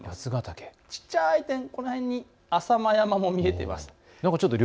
ちっちゃい点、この辺りに浅間山も見えています。